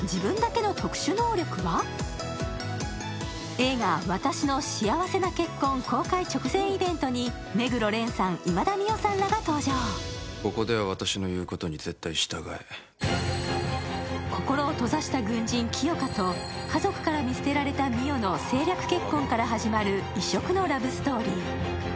映画「わたしの幸せな結婚」公開直前イベントに目黒蓮さん、今田美桜さんらが登場心を閉ざした軍人・清霞と家族から見捨てられた美世の政略結婚から始まる異色のラブストーリー。